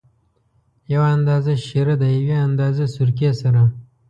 یو اندازه شېره د یوې اندازه سرکې سره.